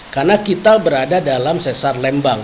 karena kita berada dalam sesar lembang